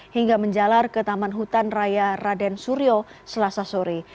hingga menjalar ke taman hutan raya raden suryo selasa sore